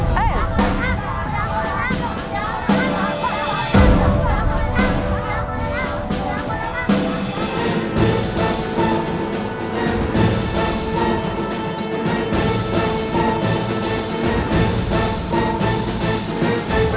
หมดแล้วหมดแล้วหมดแล้วหมดแล้ว